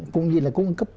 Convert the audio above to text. cũng như là cung cấp